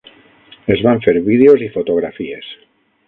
Es van fer vídeos i fotografies.